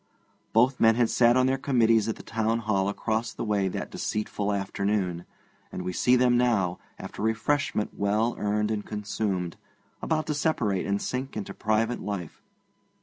Both men had sat on their committees at the Town Hall across the way that deceitful afternoon, and we see them now, after refreshment well earned and consumed, about to separate and sink into private life.